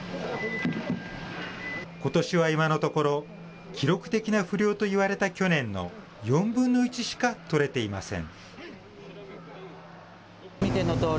ことしは今のところ、記録的な不漁といわれた去年の４分の１しか取れていません。